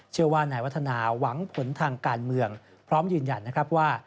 ไหนวัฒนาหวังผลทางการเมืองพร้อมยืนยันนะครับว่า